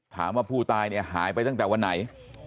ถามว่าผู้ตายเนี่ยหายไปตั้งแต่วันไหน